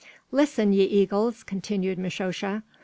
"Listen, ye eagles!" continued Mishosha.